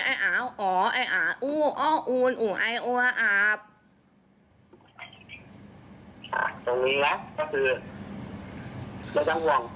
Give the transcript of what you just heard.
ไอ้อ๋าอ๋อไอ้อ๋าอู่อ้าอู๋นอยู่ไอ้โทรศัพท์